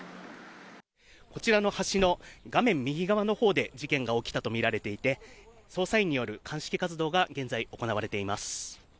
こちらの橋の画面右側のほうで事件が起きたと見られていて、捜査員による鑑識活動が現在、行われています。